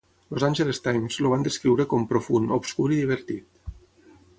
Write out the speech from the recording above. "Los Angeles Times" el van descriure com "profund, obscur i divertit".